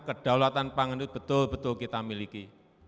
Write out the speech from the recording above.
kedaulatan pangan itu betul betul kita miliki